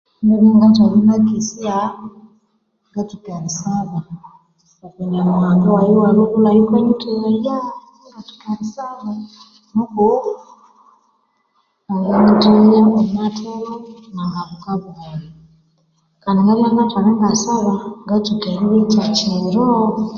Ngathalingakesya ngatsuka erisaba oku nyamuhanga waghe welhubulha oyukanyithehaya ingatsuka erisaba nuku anganyithehya omwathulhu ingabuka buholho Kandi ingathalinatsuka erisaba ngatsuka erirya ekyakiro